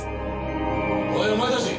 おいお前たち！